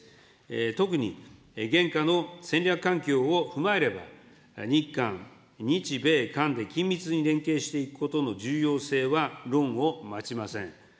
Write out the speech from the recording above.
特に、現下の戦略環境を踏まえれば、日韓、日米韓で緊密に連携していくことの重要性は論を待ちません。